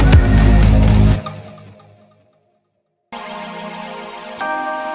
ibu ingin mencoba